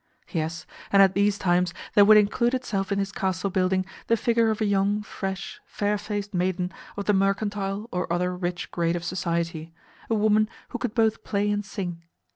Yes, and at these times there would include itself in his castle building the figure of a young, fresh, fair faced maiden of the mercantile or other rich grade of society, a woman who could both play and sing.